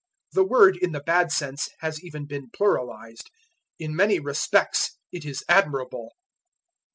The word in the bad sense has even been pluralized: "In many respects it is admirable."